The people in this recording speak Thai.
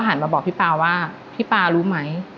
มาบอกพี่ป๊าว่าพี่ป๊ารู้ไหม